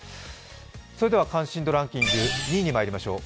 それでは、関心度ランキング２位にまいりましょう。